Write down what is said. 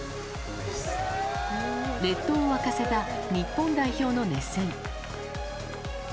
列島を沸かせた日本代表の熱戦。